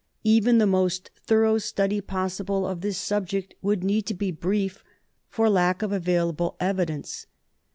Even the most thorough study possible of this subject would need to be brief, for lack of available evidence.